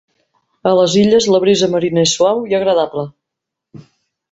A les illes la brisa marina és suau i agradable.